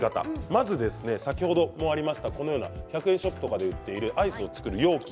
まず先ほどもありましたが１００円ショップとかで売っているアイスを作る容器